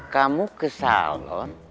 kamu ke salon